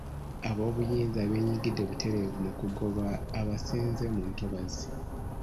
Ab'obuyinza benyigidde butereevu mu kugoba abasenze mu ntobazi.